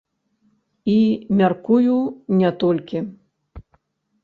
І, мяркую, не толькі.